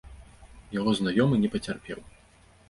Яго знаёмы не пацярпеў.